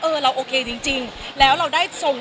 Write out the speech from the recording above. เราโอเคจริงแล้วเราได้ทรง